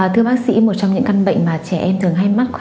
thưa bác sĩ một trong những căn bệnh mà trẻ em thường hay mắc